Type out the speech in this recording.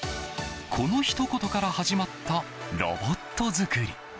このひと言から始まったロボット造り。